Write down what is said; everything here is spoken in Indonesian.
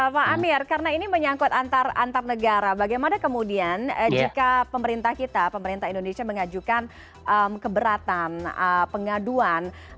pak amir karena ini menyangkut antar negara bagaimana kemudian jika pemerintah kita pemerintah indonesia mengajukan keberatan pengaduan